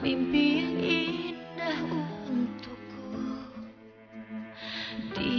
nanti gue teman lagi